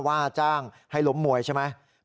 ว่าจ้างให้ล้มมวยใช่ไหม